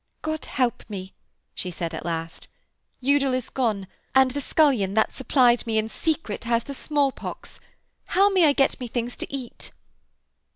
'God help me!' she said at last. 'Udal is gone, and the scullion that supplied me in secret has the small pox. How may I get me things to eat?'